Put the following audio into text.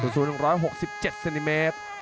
สูง๑๖๗เซนติเมตร